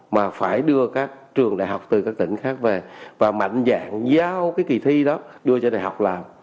mà phải đưa các trường đại học từ các tỉnh khác về và mạnh dạng giáo cái kỳ thi đó đưa cho đại học làm